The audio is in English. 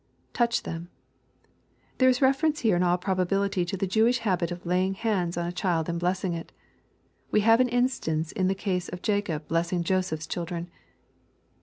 [Touch them.'] There is reference here in all probability to the Jewish habit of laying hands on a child and blessing it We have an instance in the case of Jacob blessing Joseph's children.